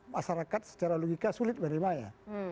masyarakat secara logika sulit menerima ya